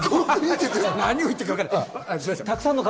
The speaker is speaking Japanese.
何を言ってるかわからない。